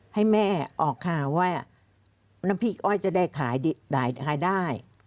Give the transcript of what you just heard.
ให้แม่ออกข่าวว่าน้ำพริกอ้อยจะได้ขายได้